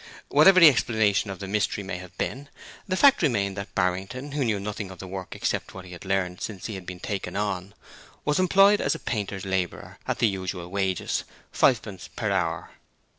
Whatever the explanation of the mystery may have been, the fact remained that Barrington, who knew nothing of the work except what he had learned since he had been taken on, was employed as a painter's labourer at the usual wages fivepence per hour.